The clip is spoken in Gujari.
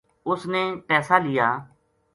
اس نےپیسا لیا